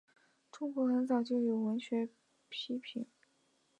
中国很早就有文学批评。